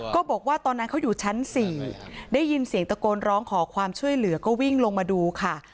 ก็บอกว่าตอนนั้นเขาอยู่ชั้น๔ได้ยินเสียงตะโกนร้องขอความช่วยเหลือก็วิ่งลงมาดูค่ะ